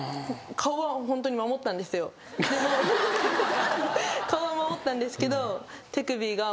顔は守ったんですけど。